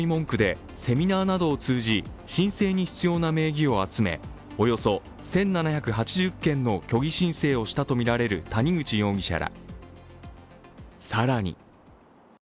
こうした誘い文句でセミナーなどを通じ、申請に必要な名義を集め、およそ１７８０件の虚偽申請をしたとみられる谷口容疑者ら。